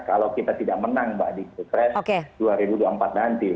kalau kita tidak menang mbak di pilpres dua ribu dua puluh empat nanti